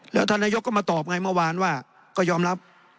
แล้วท่านนายกก็มาตอบไงเมื่อวานว่าก็ยอมรับ